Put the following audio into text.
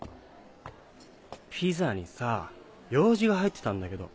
ピザにさ楊枝が入ってたんだけど。